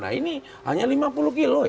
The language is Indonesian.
nah ini hanya lima puluh kilo